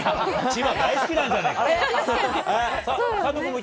千葉大好きなんじゃないか。